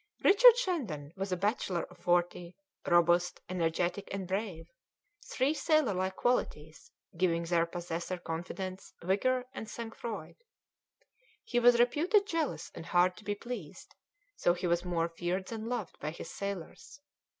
Richard Shandon was a bachelor of forty, robust, energetic, and brave, three sailor like qualities, giving their possessor confidence, vigour, and sang froid. He was reputed jealous and hard to be pleased, so he was more feared than loved by his sailors.